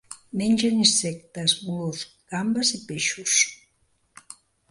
Menja insectes, mol·luscs, gambes i peixos.